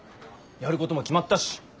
やることも決まったし。